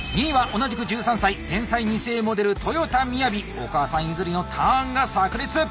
お母さん譲りのターンがさく裂！